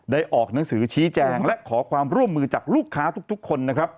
ออกหนังสือชี้แจงและขอความร่วมมือจากลูกค้าทุกคนนะครับ